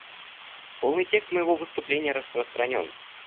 Полный текст моего выступления распространен.